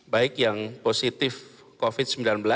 baik yang positif covid sembilan belas